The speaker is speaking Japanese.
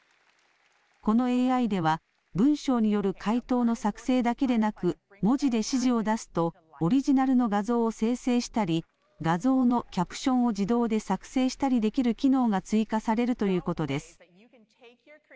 このＡＩでは文章による回答の作成だけでなく文字で指示を出すとオリジナルの画像を生成したり画像のキャプションを自動で作成したりできる機能が追加されるということです。